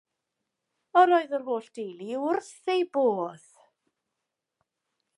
Yr oedd yr holl deulu wrth eu bodd.